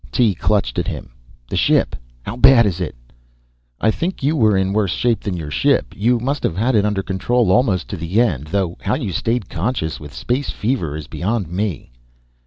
Tee clutched at him. "The ship! How bad is it?" "I think you were in worse shape than your ship. You must have had it under control almost to the end, though how you stayed conscious with space fever is beyond me."